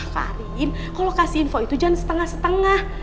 karin kalau kasih info itu jangan setengah setengah